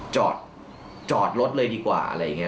จอดรถเลยดีกว่าอะไรอย่างนี้